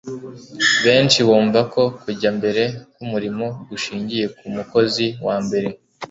benshi bumva ko kujya mbere k’umurimo gushingiye ku mukozi wa mbere